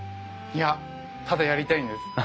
いやただやりたいんです。